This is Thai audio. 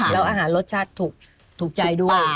แล้วอาหารรสชาติถูกใจด้วย